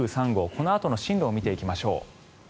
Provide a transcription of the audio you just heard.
このあとの進路を見ていきましょう。